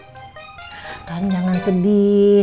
pak kang jangan sedih